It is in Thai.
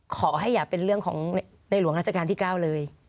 ขอให้อย่าเป็นเรื่องของในหลวงราชการที่๙เลย